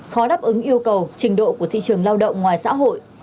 khó đáp ứng yêu cầu trình độ của thị trường lao động ngoài xã hội